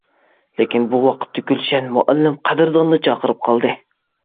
لېكىن بۇ ۋاقىتتا گۈلشەن مۇئەللىم قەدىرداننى چاقىرىپ قالدى.